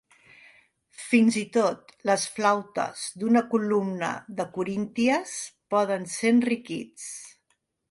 Fins i tot les flautes d'una columna de corínties poden ser enriquits.